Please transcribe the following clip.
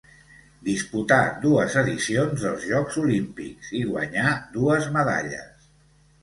Disputà dues edicions dels Jocs Olímpics i guanyà dues medalles.